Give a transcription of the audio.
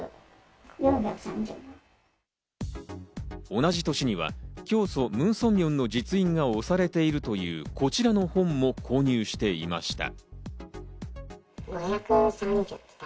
同じ年には、教祖ムン・ソンミョンの実印が押されているというこちらの本も購入していました。